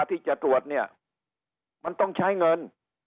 ที่จะตรวจเนี่ยมันต้องใช้เงิน